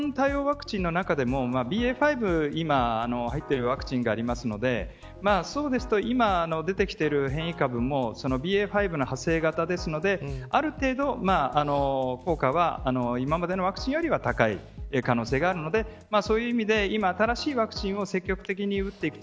オミクロン対応ワクチンの中でもＢＡ．５、今入っているワクチンがあるのでそうですと今でてきている変異株もＢＡ．５の派生型なのである程度効果は今までのワクチンよりは高い可能性があるのでそういう意味で今新しいワクチンを積極的に打っていくと。